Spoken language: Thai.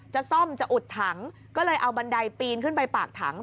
จะซ่อมจะอุดถังก็เลยเอาบันไดปีนขึ้นไปปากถัง